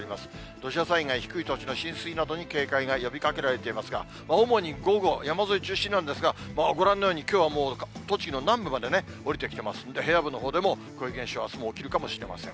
土砂災害、低い土地の浸水などに警戒が呼びかけられていますが、主に午後、山沿いを中心なんですが、ご覧のようにきょうはもう、栃木の南部までね、下りてきてますので、平野部のほうでもこういう現象はあすも起きるかもしれません。